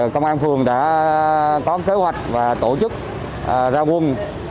công an phường đã có kế hoạch và tổ chức ra quân